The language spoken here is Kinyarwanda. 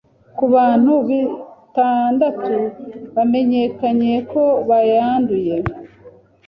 ku bantu bitandatu bamenyekanye ko bayanduye